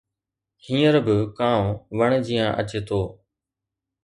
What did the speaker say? هينئر به ڪانءُ وڻ جيان اچي ٿو